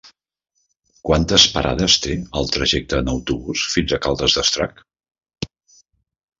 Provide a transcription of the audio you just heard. Quantes parades té el trajecte en autobús fins a Caldes d'Estrac?